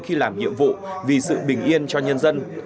khi làm nhiệm vụ vì sự bình yên cho nhân dân